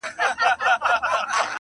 هر توري چي یې زما له شوګیری سره ژړله!.